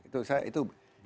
susah kira itu gak benar